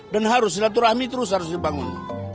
dan harus silat rami terus harus dibangun